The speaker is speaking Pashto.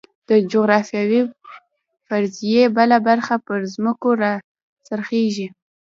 د جغرافیوي فرضیې بله برخه پر ځمکو راڅرخي.